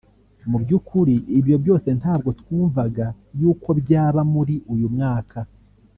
mu by'ukuri ibyo byose ntabwo twumvaga y’uko byaba muri uyu mwaka